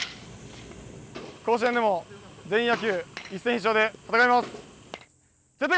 甲子園でも全員野球一戦必勝で戦います。